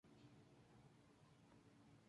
Por el interior, el arco es un arco de medio punto.